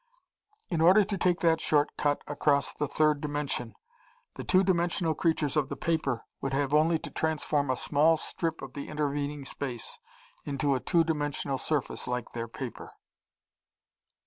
In order to take that short cut across the third dimension the two dimensional creatures of the paper would have only to transform a small strip of the intervening space into a two dimensional surface like their paper.